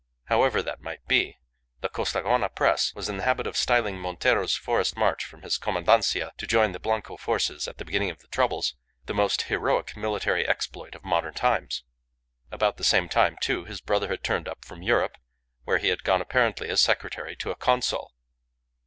However that might be, the Costaguana Press was in the habit of styling Montero's forest march from his commandancia to join the Blanco forces at the beginning of the troubles, the "most heroic military exploit of modern times." About the same time, too, his brother had turned up from Europe, where he had gone apparently as secretary to a consul.